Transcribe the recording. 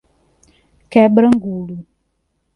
Quebrangulo